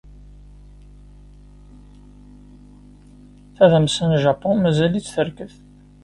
Tadamsa n Japun mazal-itt terked.